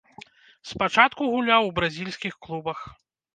Спачатку гуляў у бразільскіх клубах.